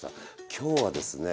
今日はですね